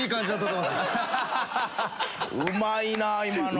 うまいなあ今の。